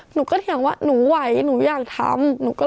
หนูก็เถียงว่าหนูไหวหนูอยากทำ